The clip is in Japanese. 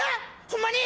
ほんまに？